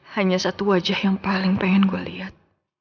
hanya satu wajah yang paling pengen gue lihat